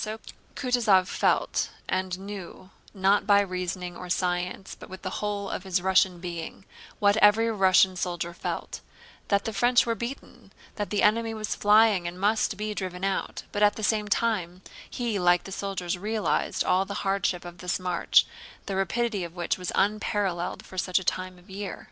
Kutúzov felt and knew—not by reasoning or science but with the whole of his Russian being—what every Russian soldier felt: that the French were beaten, that the enemy was flying and must be driven out; but at the same time he like the soldiers realized all the hardship of this march, the rapidity of which was unparalleled for such a time of the year.